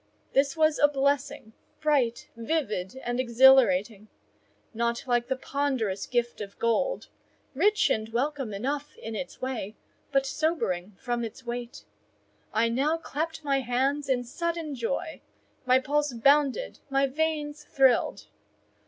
This was a blessing, bright, vivid, and exhilarating;—not like the ponderous gift of gold: rich and welcome enough in its way, but sobering from its weight. I now clapped my hands in sudden joy—my pulse bounded, my veins thrilled.